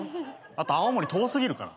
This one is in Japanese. あと青森遠すぎるから。